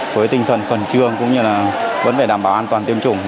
với tinh thần phần trương cũng như là vẫn phải đảm bảo an toàn tiêm chủng